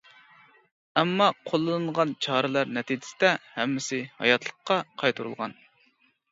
ئەمما قوللىنىلغان چارىلەر نەتىجىسىدە ھەممىسى ھاياتلىققا قايتۇرۇلغان.